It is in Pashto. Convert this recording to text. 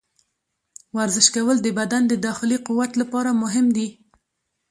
ورزش کول د بدن د داخلي قوت لپاره مهم دي.